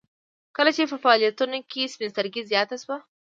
کله چې په فعاليتونو کې سپين سترګي زياته شوه.